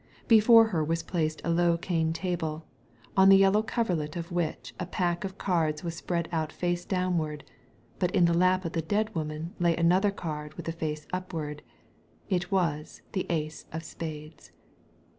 Before her was placed a low cane table, on the yellow coverlet of which a pack of cards was spread out face downward, but in the lap of the dead woman lay another card with the face upward. It was the ace of spades.